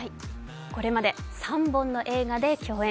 これまで３本の映画で共演。